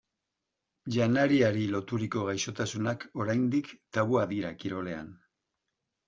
Janariari loturiko gaixotasunak oraindik tabua dira kirolean.